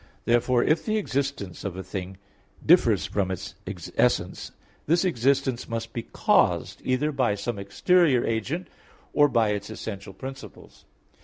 Therefore, if the existence of a thing differs from its essence, this existence must be caused either by some exterior agent or by its essential principles.